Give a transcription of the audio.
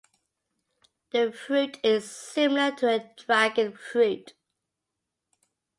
The fruit is similar to a dragon fruit.